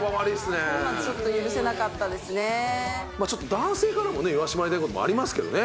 男性からも言わしてもらいたいこともありますけどね